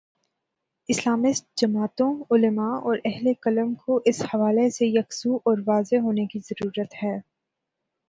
Islamist جماعتوں، علما اور اہل قلم کو اس حوالے سے یکسو اور واضح ہونے کی ضرورت ہے۔